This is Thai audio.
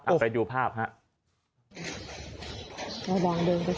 ออกไปดูภาพฮะ